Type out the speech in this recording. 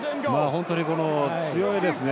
本当に強いですね。